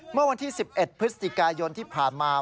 เมื่อวันที่๑๑พฤศจิกายนที่ผ่านมา